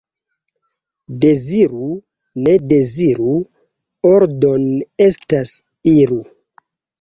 Deziru, ne deziru — ordon' estas, iru!